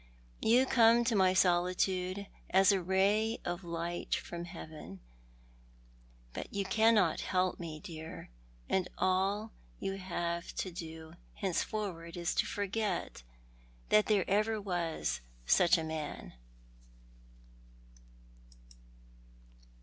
You come into my solitude as a ray of light from Heaven— but you cannot help me, dear; and all you have to do henceforward, is to forget that there was over such a man." 132 ThoiL art the Man.